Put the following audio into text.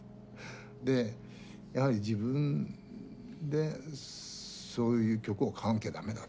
でやはり自分でそういう曲を書かなきゃ駄目だと。